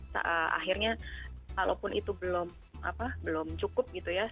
dan akhirnya walaupun itu belum cukup gitu ya